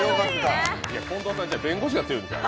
近藤さんちは弁護士が強いんですよ。